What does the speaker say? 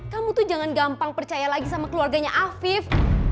kamu tuh jangan gampang percaya lagi sama keluarganya afif